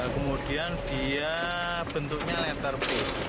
kemudian dia bentuknya letter p